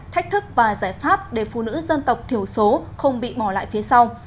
thách thức và giải pháp để phụ nữ dân tộc thiểu số không bị bỏ lại phía sau